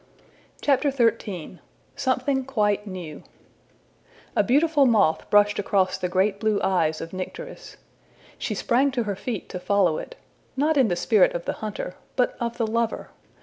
XIII. Something Quite New A beautiful moth brushed across the great blue eyes of Nycteris. She sprang to her feet to follow it not in the spirit of the hunter, but of the lover.